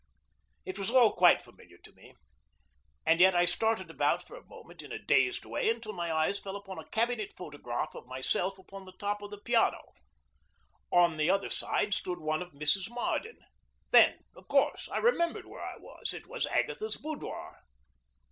It was all quite familiar to me, and yet I stared about for a moment in a half dazed way until my eyes fell upon a cabinet photograph of myself upon the top of the piano. On the other side stood one of Mrs. Marden. Then, of course, I remembered where I was. It was Agatha's boudoir.